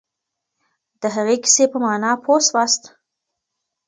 د هغې کیسې په مانا پوه سواست؟